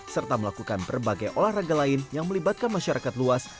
serta melakukan berbagai olahraga lain yang melibatkan masyarakat luas